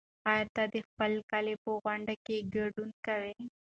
ایا ته د خپل کلي په غونډه کې ګډون کوې؟